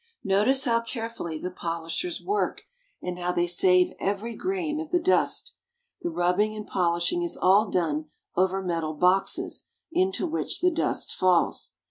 Notice how carefully the polishers work and how they save every grain of the dust. The rubbing and polishing is all done over metal boxes into which the dust falls.